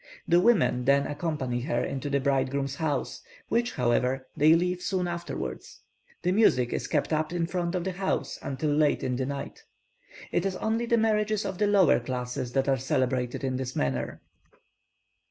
The women then accompany her into the bridegroom's house, which, however, they leave soon afterwards. The music is kept up in front of the house until late in the night. It is only the marriages of the lower classes that are celebrated in this manner.